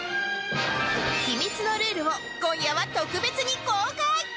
秘密のルールを今夜は特別に公開！